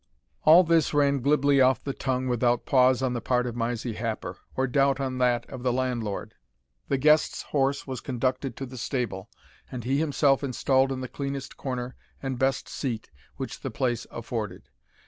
All this ran glibly off the tongue without pause on the part of Mysie Happer, or doubt on that of the landlord. The guest's horse was conducted to the stable, and he himself installed in the cleanest corner and best seat which the place afforded.